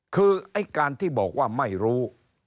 คือไอ้การที่บอกว่าไม่รู้